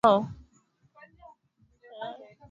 ambao ulianzisha Kipengele cha Uhabeshi ndani ya nyumba